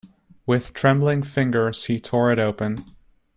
With trembling fingers he tore it open.